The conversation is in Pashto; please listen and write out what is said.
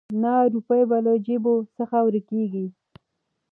نه روپۍ به له جېبو څخه ورکیږي